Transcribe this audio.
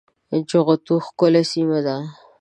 جغتو ښکلې سيمه ده